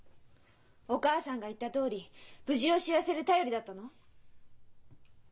お母さんが言ったとおり無事を知らせる便りだったの？